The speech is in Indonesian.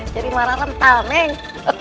jadi marah rentah neng